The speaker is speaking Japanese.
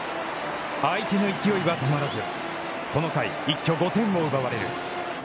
相手の勢いはとまらずこの回、一挙５点を奪われる。